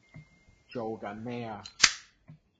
做緊咩呀